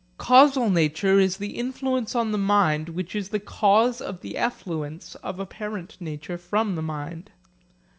Causal nature is the influence on the mind which is the cause of the effluence of apparent nature from the mind.